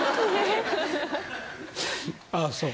ああそう。